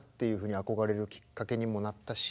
憧れるきっかけにもなったし